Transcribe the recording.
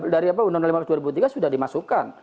dari undang undang lima belas dua ribu tiga sudah dimasukkan